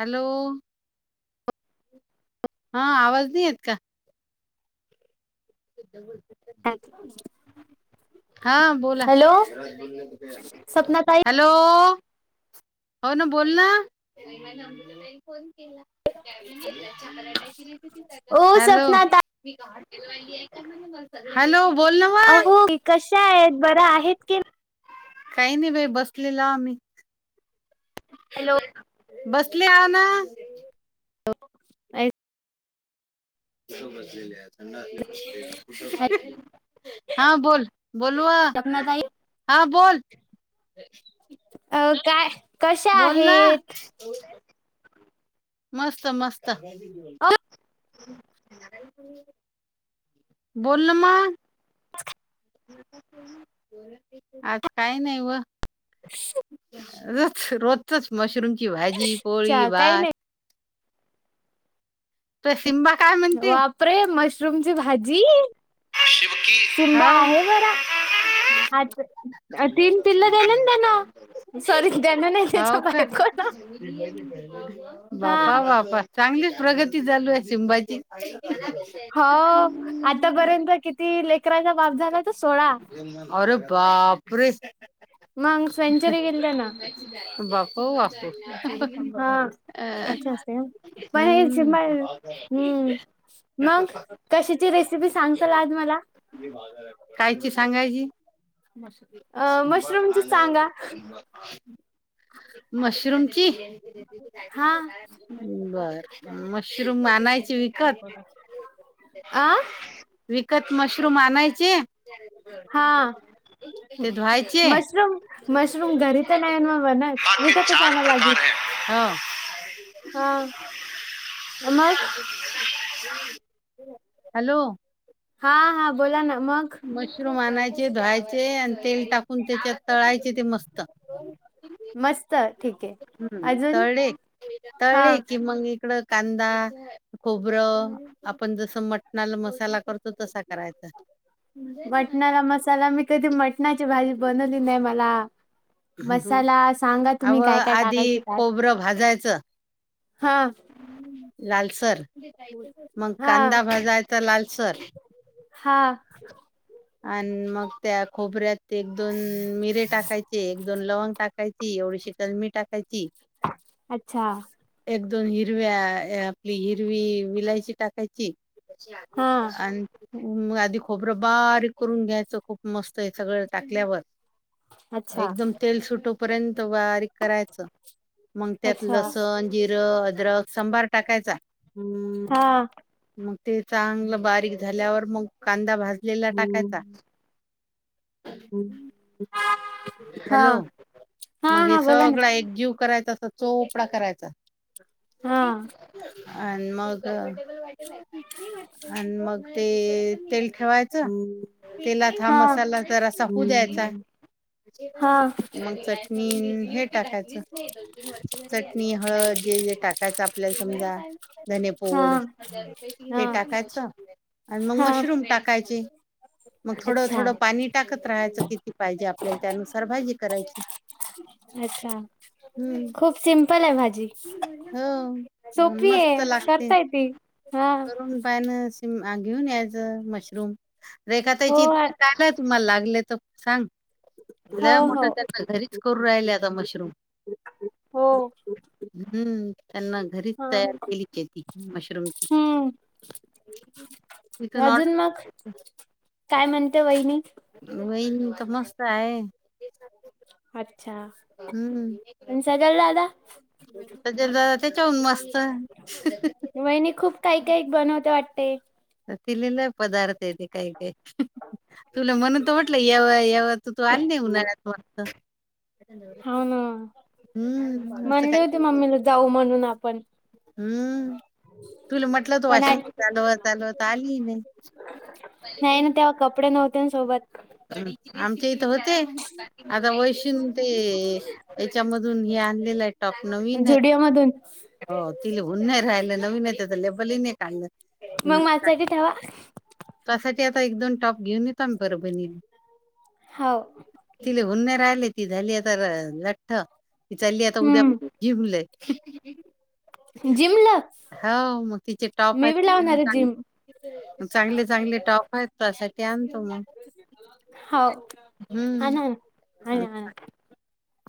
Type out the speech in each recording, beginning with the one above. Hello! हा आवाज नाही येत का? [unintelligible] [inaudible] हा बोला हॅलो सपना ताई हॅलो हो ना बोल ना फ केला. ओ हॅलो सपना ताई हॅलो बोल ना वा अहो कशा आहेत बर आहेत की नाही? काही नाही बाई बसलेला आम्ही. हॅलो बसले आहे ना. हो ले हा बोल बोलू सपना ताई हा बोल हो काय? कशा बोलला आहेत मस्त मस्त अ, बोल म ह आज काय नाही व रच रोजतच मशरूमची, भाजी, पोळी, अच्छा काही भात नाही त शिमबा काय म्हणते? वापरे मशरूमची भाजी शिमबा हा आहे बरा आ तीन पिल्ल दले त्याना सॉरी त्याना नाही त्याच्या हो बायकोला हा बापा बाप चांगली प्रगती चालू आहे सिबाची ती लेकराांचा बाप झाला. तो सोळा अरे बापरे मंग सेंचुरी गेली त्या नाु बापू बापू अच्छा स पणची हम्म प हम्म मग कशीाची रेसिपी सांगसाल आज मला बा झा कायची सांगायची अ मशरूमचीच सांगा मशरूम हा. बर मशरूम आणनायचे विकत ह विकत मशरूम आणायचे? हा ते धुवायचे मशरूम मशरूम घरी तर नाही मग बनत विगत जाय लागेल. हम् हा मग हॅलो हा हा बोला ना मग मानाायचे धुवायचे, तेल टाकून त्याच्यात तळायचे ते मस्त मस्त ठीक आहे. हम्म अजून तळे हा तळे कि मग इकडं कांदा, खोबरं आपण जसं मटणाला मसाला करतो तसा करायचा. चटणाची भाजी बनवली नाही मला मसाला सांगा तुम्ही अव काय काय आधी टाकायच त्यात खोबरं भाजायचं हा लालसर मग हा कांदा भाजायचा लालसर हा आणि मग त्या खोबऱ्यात एक दोन मिरे टाकायचे एक दोन लवंग टाकायची एवढीशी तलमी टाकायची अच्छा एक दोन हिरव्या आपली हिरवी विलायची टाकायची हा आणि आधी खोबरं बारीक करून घ्यायचं खूप मस्त हे सगळ टाकल्यावर अच्छा एकदम तेल सुटोपर्यंत बारीक करायचं मग त्यात अच्छा लसण जि अद्रक संभार टाकायचा हा मग ते चांगलं बारीक झाल्यावर मग कांदा भाज लेला टाकायचा हम्म हॅलो हा मग हे हा बोला ना सगळा एकजीव करायचा अस चोपडा करायचा अ हा आणि मग आणि मग ते ते ठेवायच हा तेलात हा मसाला जरा असपू द्यायचा आहे हा मग चटणी हे टाकायचं चटणी हळद जे जे टाकायचं आपल्याला समजा धने पोड हा ते टाकायचं आणि मग हा मशरूम टाकायचे मग थोडं अच्छा थोडं पाणी टाकत राहायचं किती पाहिजे आपल्या त्यानुसार भाहिजे करायची अच्छा हम्म खूप सिम्पल आहे भाजी हो सोपी मस्त आहे लागते करता येती हा करून घेऊन मशरूम रेखा त हो का तुम्हाला लागले तर ल हो मोठ हो त्यांना घरीच करू राहिल आता मशरूम हो हम्म त्यांना घरीच हा तयार केली शेती मशरूमची हम्म इथ नाॉट अजून मग काय म्हणते वहिनी वई तर मस्त आहे अच्छा हम्म आणि सगल ददा सजल दादा त्याच्याहून मस्त वहिणी खूप काही काही बनवते वाट म तलीला पदार्थ इेत काय का तुला म्हण तर वाटलं येव येव तू तू आल नाही उन्हाळ्यात मत हो ना हम्म असं म्हणले काय होते मम्मीला जाऊ म्हणून आपण हम्म तुला म्हटलं त वाशिम पण चालव चालवत आली नाही नाही ना तेव्हा कपडे नव्हते ना सोबत आमच्या इथं होते आता वैषून ते याच्यामधून हे आणलेलं आहे टॉप नवीन झुडिओ मधून आहे ति हन्हे राहियलं नवीन येत तर लेबल नाही काढलं ते मग म्हणे माझ्या ठेवा त्यासाठी आता एक दोन टॉप घेऊन येतो आ्ही बरं बन हो राहिलेय ती झाली आता लठ्ठ ती चालली आता उद्या हम्म जिमलय जिमला हो मग तिचे टॉप मी बी लावणार आहेत आहे जिम चांगले चांगले टॉक आहेत तसाठी आणतो मग हो हा हम्म ना आणि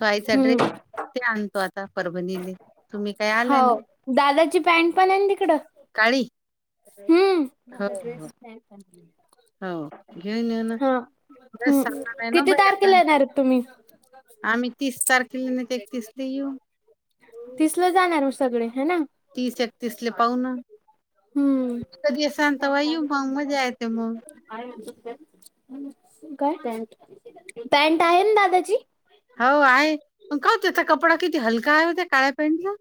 तो आईचा ड्रेस हम्म ते आणतो आता परभणीले तुम्ही काय हो आला ना दादाची पॅन्ट पण आहे ना तिकडं काळी हो हम्मड्र हो हो घेऊन ये ना हा बस हम्म सांगणाराय ना किती भई आता तारखेला येणार आहेत तुम्ही आम्ही तीस तारखेला नाही ते एकतीस ते येऊ तिसलं जाणार म सगळे है ना तीस एकतीसले पाहू ना हम्म कधी असाल [inaudible] तवा येऊ मग मजा येते मग [unintelligible] काय पँट पँट आहे ना दादाची हो आहे म का हो त्याचा कपडा किती हलका आहे हो त्या काळ्या पॅन्टचा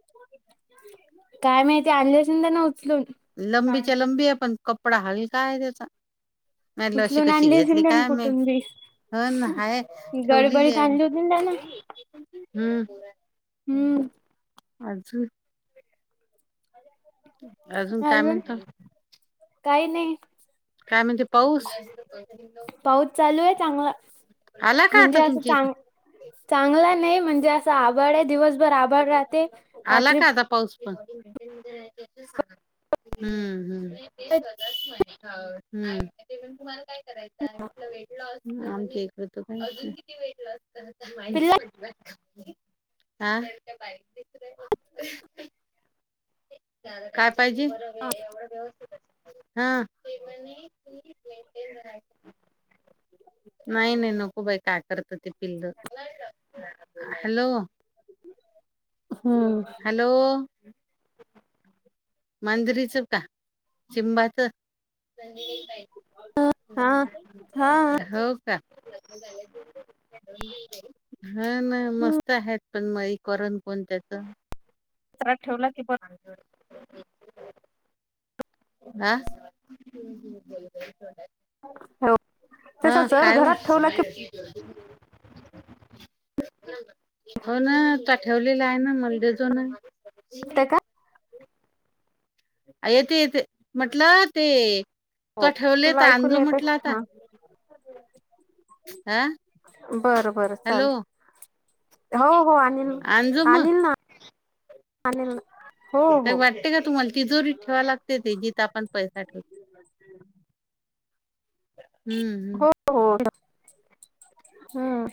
काय माहिती आणलि असेल त्यान उचलून लंबीच्या लंबी आहे पण कपडा हल का आहे त्याचा म ल अशी उचलून कशी आणली असेल घेतली त्यान काय माहित कुठून बी ह न हाय ठेवलेली गडबडीत आहे मी आणली होती ना त्यान हम् हम्म [unintelligible] अजून काय म्हणतो काही नाही काय म्हणते पाऊस पाऊस चालू आहे चांगला आला का म्हणजे आता असं तुमच्या इथं चां चांगला नाही म्हणजे असं आभाड आहे दिवसभर आभाड राहते आला रात्री का आता पाऊस पण [inaudible] हम्म हम्म ते स्वःच म्हणे हम तुम्हाला काय करायचं वेट लॉस पिल्ला [unintelligible] हा [inaudible] काय पाहिजे एवढ व्यवस्थित हा [unintelligible] [inaudible] नाही नाही नको बाई काय करत ते पिल्लं हॅलो [inaudible] हॅलो [inaudible] मांजरीचं का चिंबाच [inaudible] हो हा हा [unintelligible] हा ना मस्त आहेत पण मय करण कोण त्याच हात ठेवला की ब आ हो त्याचा जर हो? घरात ठेवला की हो ना त ठेवलेला आहे ना मलडेजोन [inaudible] बते का य ते य ते म्हटलं ते हो तो तुला ठेवलेता ऐकून अंंदु येते म्हटला आता हा हा बरं बरं हॅलो चाल हो हो अनिल आणजो मग अनिल ना अनिल ना वाटते का तुम्हाला तिजोरीत ठेवा लागते ते जिथ आपण पैसा ठेवतो [inaudible] हम्म हो हो - हम्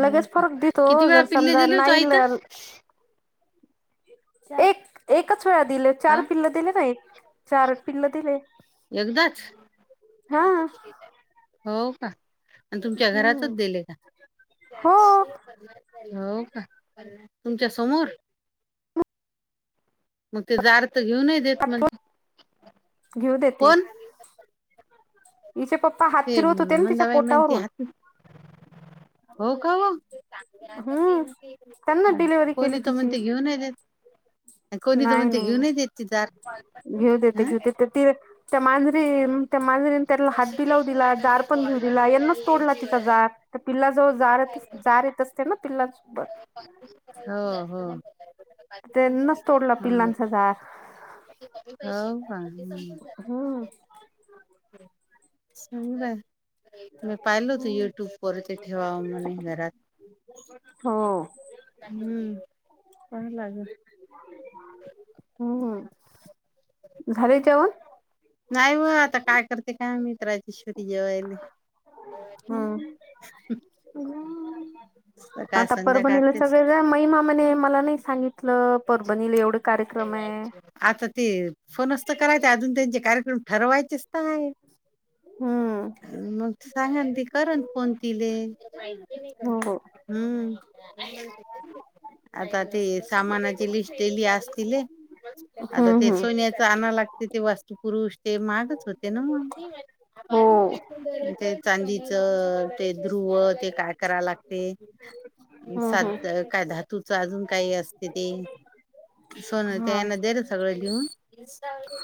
हम्म लगेच फरक देतो किती वेळा जर पिल्ले समजा दिले होतो आई नाहील तर एक एकच पाच वेळा दिले चार का पिल्ल दिले ना एक चार पिल्ल दिले एकदाच हा हो का आणि तुमच्या घरातच हम्म दिले का हो [unintelligible] हो तुमच्या समोर मग ते जार त घेऊ नही देत म्हजे घेऊ देते कोण? हिचे पप्पा हात ते फिरवत होते ना तिच्या मंदाबाई म्हणते पोटावरून हात हो का ओ हम्म त्यांना डिलिव्हरी केली कोणी तर म्हण तिची ते घेऊ नाय देत. कोणी तर नाही म्हणते घेऊनच देत ती दार नाही घेऊ देते हं घेऊ देते ती त्या मांज री त्या मांजरी त्याला हात बी लावू दिला जार पण घेऊ दिला यानं चं तोडला तिचा जार तर पिल्ला जवळ जारये जार एक असते ना पिलाच हो हो. त्यांनच तोडला हम्म पिल्लांचा झार. हो [unintelligible] मी पाहिल होत युट्युब वर ते ठेवाव म्हणे घरात. हो हम्म पायलाग हम्म हम् नाय व आता काय करते काय मित्रा ईश्वतीजेवायले. हम्म आता परभणीलं तेच सगळ जा मय मामाने मला नई सांगितलं परभणीलं एवढं आता ते फणस च करायचं अजून त्यांचे कार्यक्रम ठरवायचेच त हाय. हम्म मग सांगन ती करन फोन तिले हो हम्म आता ते सामानाची लिस्ट दिली असतील. आता हम्म ते हम्म सोन्याच आणा ला ती ते वास्तु पुुरुष ते मागच होते ना मग हो ते चांदीच अ ते ध्रुव ते काय कराय लागते. हम्म सात हम्म काय धातूचं अजून काय असते ते सोन ते हा यांन दिल सगळं लिहून.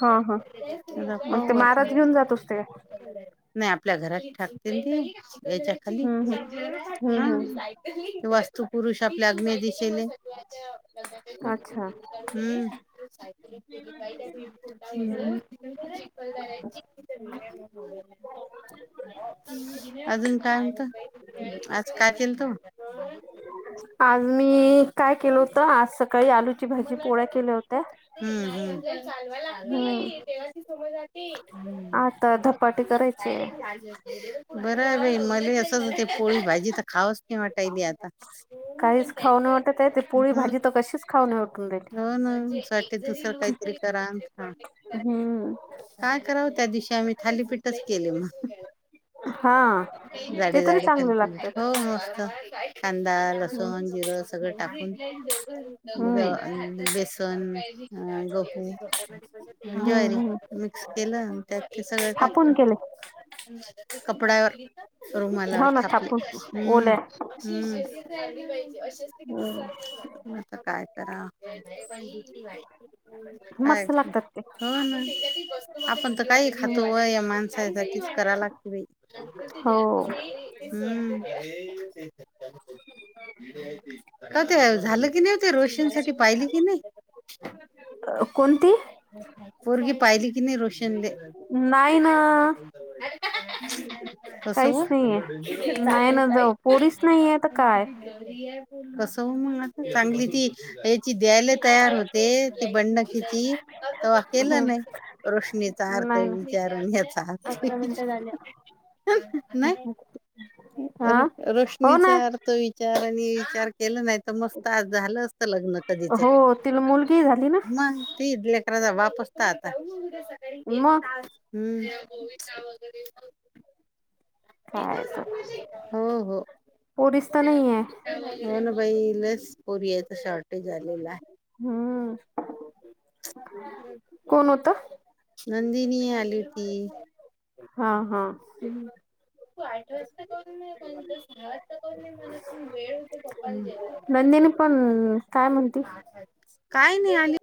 हा हा मग ते पाहू आता महाराज घेऊन जातोस ते नाय. आपल्या घरात ठाकते ना ती एच्या खाली हम्म हम्म हम्म हम्म ह वास्तु पुुरुष आपल्या अग्नेय दिशेने अच्छा हूं हूं [unintelligible] ब अजून काय होत आज का केल तो? आज मी काय केल होत आज सकाळी आलू. ची भाजी पोळ्या केल्या होत्या. हम्म लागती देवाची समज हा ती आता धपाटे करायचे. बरंय बाई, मले असंचं होतंय पोळी भाजी त खावंच नाय वाट काहीच खाऊ नै वाटतये. ती पोळी आता भाजी त कशीच खाऊ नै वा हो ना. असं वाटतंय दुसरं काहीतरी करा ह हम्म काय करावं त्या दिवशी आम्ही थालीपीठच केले म. हा ते जाडे तरी जाडे चांगले [unintelligible] हो लागतात मस्त. कांदा हम्म लसूण जिरं सगळं टाकून हम्म बे बेसन हा [inaudible] हम्म ज्वारी हम्म केलं अनं त्यात ते सगळं थापून केले टाकलं कपड्यावर रुमालावर हो ना थापले थापून हम्म ओल्या हम्म हम्म म आता काय करा काय मस्त लागतात ते हो ना. आपण तर काही हम्म. खातो व या माणसांसाठीच कराय लागतं हो बाई हम्म. [inaudible] का ते झालं की नै ते रोशन साठी पाहिली कि नै? अ कोन? [unintelligible] पोरगी पाहिली की नायी रोष शंदे नाही ना कस काहीच वो? [inaudible] नाहीये नाही ना जाऊ पोरीच नाहीये तर काय कस हो मंग आता चांगली ती ची द्यायला तयार होते ती बंड किती तव्हा केलं नाही. रोशनीचा अर्थ नाही ना विचारून अकरा मिनिटं झाले [unintelligible] नाही हा रोश हो ना रोशनीचा अर्थ विचार आणि केलं नाही तर मस्त आज झालं असतं लग्न हो कधीचच तिला मुलगी झाली ना मग [unintelligible] करा वापसता आता म विटा वगैरे काय तर हो हो, हो पोरीस तर नाहीये नं. [unintelligible] याचं शॉर्टेज आलेलं आहे. हम्म कोण होतं? तीनी आली होती. हा. हा हम्म त आठ वाजता [inaudible] नंदिनी पण काय म्हणती काय नै आली.